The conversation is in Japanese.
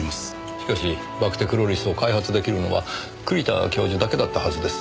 しかしバクテクロリスを開発できるのは栗田教授だけだったはずです。